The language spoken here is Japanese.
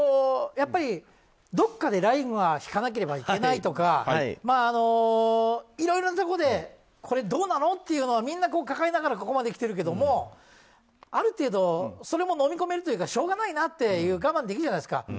どこかでラインは引かなければいけないとかいろいろなところでどうなの？というのはみんな抱えながらここまできてるけれどもある程度それものみ込めるというかしょうがないなと我慢できるじゃないですか。